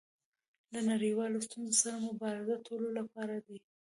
له نړیوالو ستونزو سره مبارزه د ټولو لپاره ده.